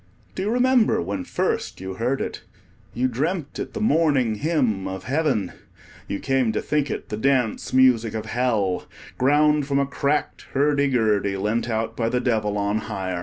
Do you remember when first you heard it? You dreamt it the morning hymn of Heaven. You came to think it the dance music of Hell, ground from a cracked hurdy gurdy, lent out by the Devil on hire.